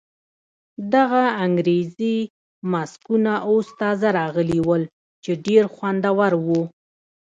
دغه انګریزي ماسکونه اوس تازه راغلي ول چې ډېر خوندور وو.